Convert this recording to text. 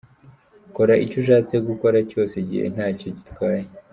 Kora icyo ushatse gukora cyose igihe ntacyo gitwaye.